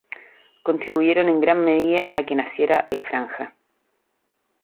Contribuyeron en gran medida a que naciera la Franja.